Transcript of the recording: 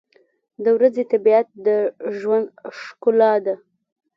• د ورځې طبیعت د ژوند ښکلا ده.